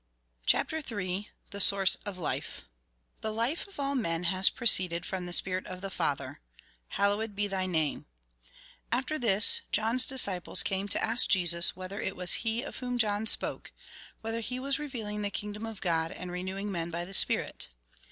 CHAPTER III THE SOURCE OF LIFE The life of all men has proceeded from the spirit of the Father ("IballowcD be a:bB iRamc") After this, John's disciples came to ask Jesus whether it was he of whom John spoke ; whether he was revealing the kingdom of God, and renewing men by the spirit